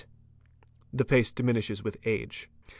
t The pace diminishes with age.